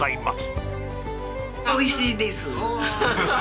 おいしいです。